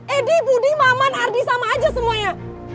edi budi maman ardi sama aja semuanya